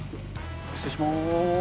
失礼します。